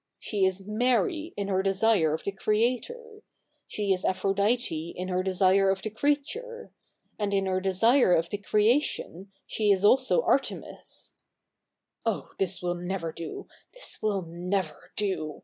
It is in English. She is Ma^y in her desire of the Creator ; she is Aphrodite in her desire of the creature; a/id i?i her desire of the c?'eation, she is also Arte7?iisy '(' Oh, this will never do — this will never do